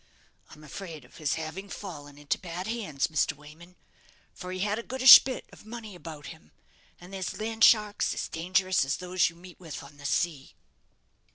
I'm afraid of his having fallen into bad hands, Mr. Wayman, for he had a goodish bit of money about him; and there's land sharks as dangerous as those you meet with on the sea."